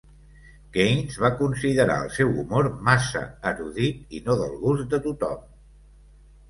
Keynes va considerar el seu humor massa erudit i no del gust de tothom.